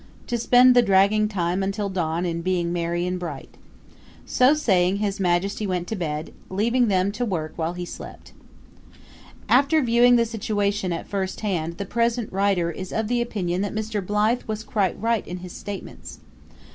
to spend the dragging time until dawn in being merry and bright. So saying His Majesty went to bed, leaving them to work while he slept. After viewing the situation at first hand the present writer is of the opinion that Mr. Blythe was quite right in his statements.